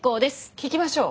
聞きましょう。